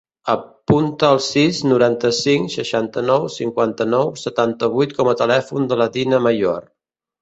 Apunta el sis, noranta-cinc, seixanta-nou, cinquanta-nou, setanta-vuit com a telèfon de la Dina Mayor.